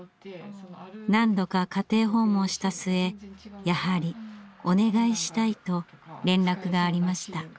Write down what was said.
何度か家庭訪問した末やはりお願いしたいと連絡がありました。